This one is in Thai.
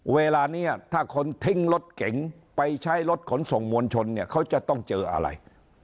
เวลานี้ถ้าคนทิ้งรถเก๋งไปใช้รถขนส่งมวลชนเนี่ยเขาจะต้องเจออะไร